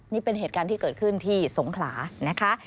นี่เป็นเหตุการณ์ที่เกิดขึ้นที่สงขลานะคะ